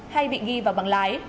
hay bị ghi vào bằng lái